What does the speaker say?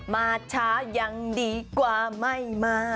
มาช้ายังดีกว่าไม่มา